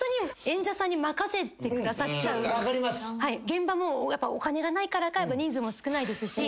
現場もお金がないからか人数も少ないですし。